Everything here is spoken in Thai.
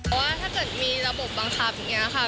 ผมว่าถ้าจะมีระบบบังคับอย่างนี้ค่ะ